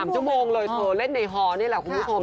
๓ชั่วโมงเลยเธอเล่นในฮอนี่แหละคุณผู้ชม